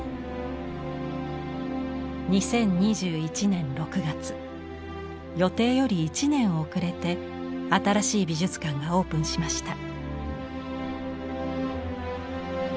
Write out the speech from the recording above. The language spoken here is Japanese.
２０２１年６月予定より１年遅れて新しい美術館がオープンしました。